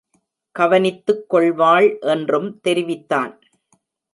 கவனித்துக் கொள்வாள் என்றும் தெரிவித்தான்.